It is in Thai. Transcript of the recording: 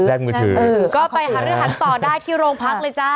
ก็ไปหันหรือหันต่อได้ที่โรงพักเลยจ้า